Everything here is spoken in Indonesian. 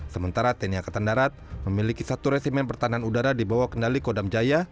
sementara tni angkatan darat memiliki satu resimen pertahanan udara di bawah kendali kodam jaya